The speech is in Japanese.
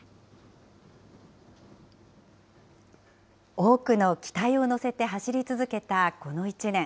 多くの期待を乗せて走り続けたこの１年。